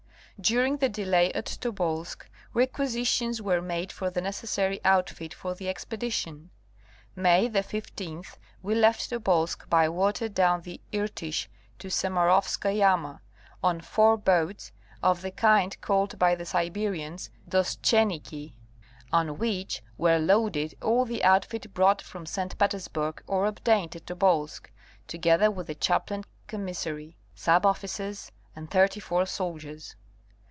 During the delay at Tobolsk requisitions were made for the necessary outfit for the expedition. May 15th we left Tobolsk by water down the Irtish to Sama rovska Yama, on four boats of the kind called by the Siberians '"' dostcheniki," on which were loaded all the outfit brought from St. Petersburg or obtained at Tobolsk ; together with a chaplain, commissary, sub officers and thirty four soldiers.